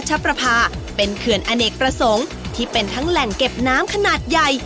ขอบคุณทุกคนที่มีชีวิตให้ได้